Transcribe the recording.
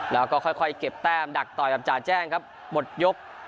แล้วก็ค่อยเก็บแต้มดักต่อยกับจ่าแจ้งครับหมดยก